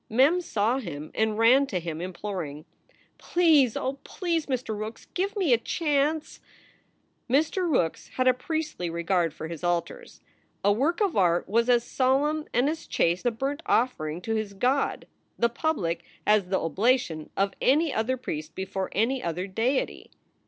Mem saw him and ran to him, imploring, "Please, oh, please, Mr. Rookes, give me a chance!" Mr. Rookes had a priestly regard for his altars. A work of art was as solemn and as chaste a burnt offering to his god, the Public, as the oblation of any other priest before any other deity.